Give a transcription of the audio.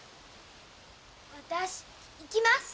私行きます！